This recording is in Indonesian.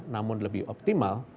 namun lebih optimal